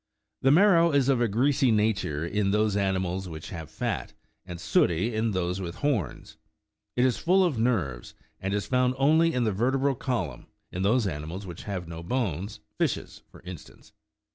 The marrow is of a greasy nature in those animals which have fat, and suetty in those with horns. It is full of nerves, and is found only in the vertebral column7 in those animals which have no bones, fishes, for instance.